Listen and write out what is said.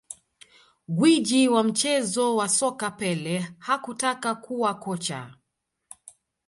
Gwiji wa mchezo wa soka Pele hakutaka kuwa kocha